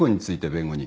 弁護人。